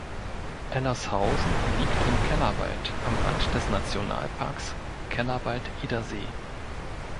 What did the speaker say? Ellershausen liegt im Kellerwald am Rand des Nationalparks Kellerwald-Edersee.